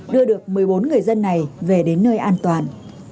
đưa được một mươi bốn người dân này về đến nơi an toàn